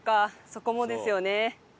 そこもですよね。